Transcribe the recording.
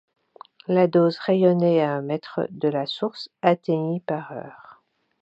La dose rayonnée à un mètre de la source atteignit par heure.